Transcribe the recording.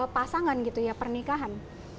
pasangan gitu ya pernikahan